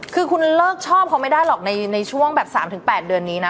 คือคุณเลิกชอบเขาไม่ได้หรอกในช่วงแบบ๓๘เดือนนี้นะ